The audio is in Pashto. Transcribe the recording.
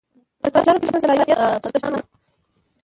په چارو کې د بشپړ صلاحیت څښتنان وي.